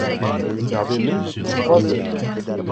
Navê min Dilxwaz e.